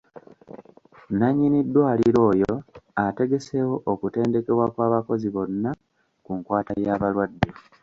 Nannyini ddwaliro oyo ategeseewo okutendekebwa kw'abakozi bonna ku nkwata y'abalwadde.